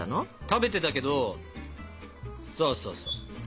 食べてたけどそうそうそう。